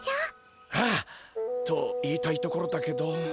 ああ！と言いたいところだけど。